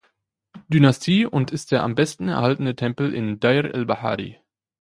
Dynastie und ist der am besten erhaltene Tempel in Deir el-Bahari.